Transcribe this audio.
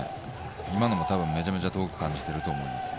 今のも多分、めちゃめちゃ遠く感じてると思います。